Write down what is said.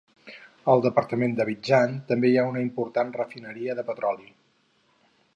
Al departament d'Abidjan també hi ha una important refineria de petroli.